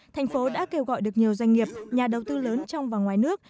thành phố đã kêu gọi được nhiều doanh nghiệp nhà đầu tư lớn trong và ngoài nước